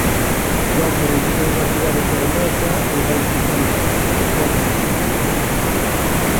Londres é unha cidade fermosa e vai sufrir, pero pode reconstruírse.